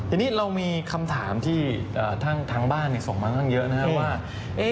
อันนี้เรามีคำถามที่ทั้งบ้านส่งมาค่อนข้างเยอะนะครับว่า